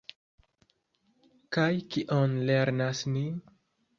Kaj kion lernas ni?